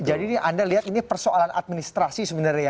jadi ini anda lihat ini persoalan administrasi sebenarnya